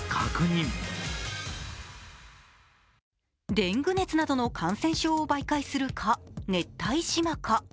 デング熱などの感染症を媒介する蚊、ネッタイシマカ。